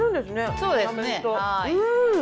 そうですねはい。